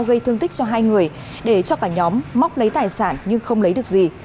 gây thương tích cho hai người để cho cả nhóm móc lấy tài sản nhưng không lấy được gì